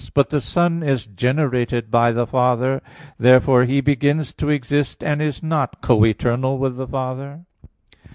But the Son is generated by the Father. Therefore He begins to exist, and is not co eternal with the Father.